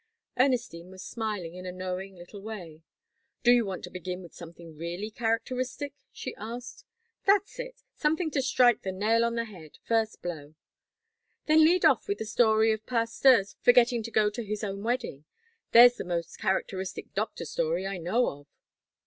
Ernestine was smiling in a knowing little way. "Do you want to begin with something really characteristic?" she asked. "That's it. Something to strike the nail on the head, first blow." "Then lead off with the story of Pasteur's forgetting to go to his own wedding. There's the most characteristic doctor story I know of."